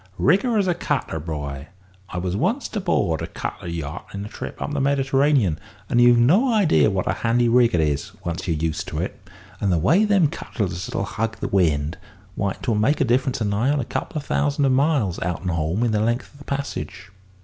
Rig her as a cutter, boy. I was once't aboard a cutter yacht in a trip up the Mediterranean, and you've no idea what a handy rig it is, once you're used to it. And the way them cutters 'll hug the wind why 't would make a difference of nigh on a couple of thousand miles, out and home, in the length of the passage."